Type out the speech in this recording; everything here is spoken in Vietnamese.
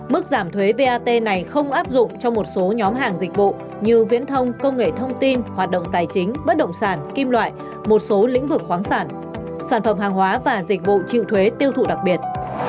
mức giảm thuế vat này không áp dụng cho một số nhóm hàng dịch vụ như viễn thông công nghệ thông tin hoạt động tài chính bất động sản kim loại một số lĩnh vực khoáng sản sản phẩm hàng hóa và dịch vụ chịu thuế tiêu thụ đặc biệt